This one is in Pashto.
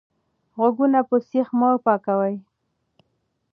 غوږونه په سیخ مه پاکوئ.